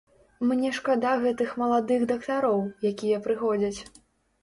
Мне шкада гэтых маладых дактароў, якія прыходзяць.